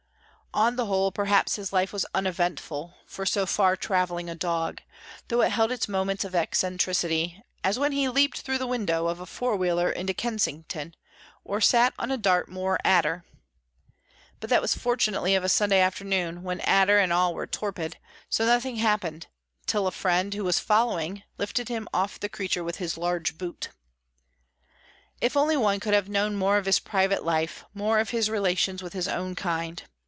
On the whole, perhaps his life was uneventful for so far travelling a dog, though it held its moments of eccentricity, as when he leaped through the window of a four wheeler into Kensington, or sat on a Dartmoor adder. But that was fortunately of a Sunday afternoon—when adder and all were torpid, so nothing happened, till a friend, who was following, lifted him off the creature with his large boot. If only one could have known more of his private life—more of his relations with his own kind!